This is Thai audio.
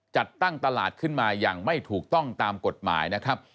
จัดตั้งตลาดขึ้นมาอย่างไม่ถูกต้องตามกฎหมายนะครับ